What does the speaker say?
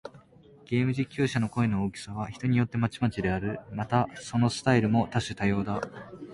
ゲーム実況者の声の大きさは、人によってまちまちである。また、そのスタイルも多種多様だ。